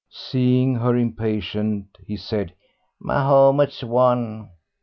Seeing her impatience, he said, "Mahomet's won."